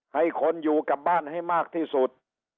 ให้คนอยู่กับบ้านให้มากที่สุด